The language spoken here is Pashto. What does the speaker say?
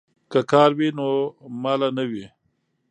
که کار وي نو ماله نه وي.